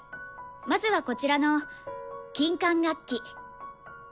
まずはこちらの金管楽器。